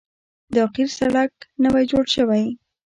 دا قیر سړک نوی جوړ شوی